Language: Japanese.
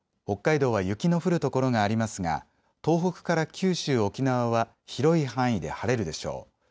北海道は雪の降る所がありますが東北から九州、沖縄は広い範囲で晴れるでしょう。